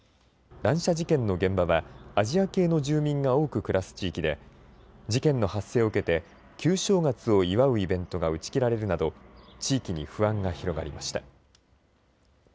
乱射事件の現場はアジア系の住民が多く暮らす地域で事件の発生を受けて旧正月を祝うイベントが打ち切られるなど地域に不安が広がりました。